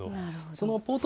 そのポート